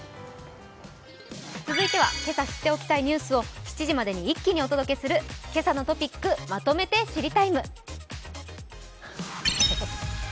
続いては、今朝知っておきたいニュースをまとめてお届けする「けさのトピックまとめて知りＴＩＭＥ，」。